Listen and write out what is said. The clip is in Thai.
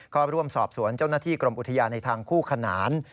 ก็ร่วมสอบสวนเจ้าหน้าที่กรมอุทยานในทางคู่ขนาน